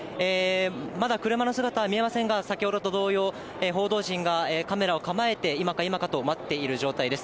まだ車の姿は見えませんが、先ほどと同様、報道陣がカメラを構えて、今か今かと待っている状態です。